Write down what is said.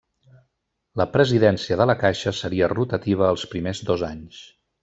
La presidència de la caixa seria rotativa els primers dos anys.